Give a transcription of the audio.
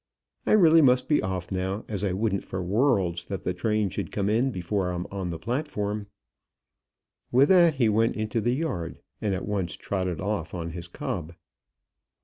I really must be off now, as I wouldn't for worlds that the train should come in before I'm on the platform." With that he went into the yard, and at once trotted off on his cob.